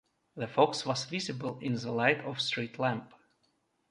The fox was visible in the light of the street lamp.